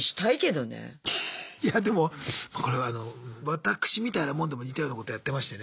いやでもこれは私みたいなもんでも似たようなことやってましてね。